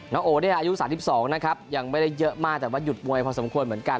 โอเนี่ยอายุ๓๒นะครับยังไม่ได้เยอะมากแต่ว่าหยุดมวยพอสมควรเหมือนกัน